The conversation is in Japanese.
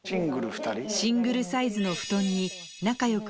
シングルサイズの布団に恥ずかしい。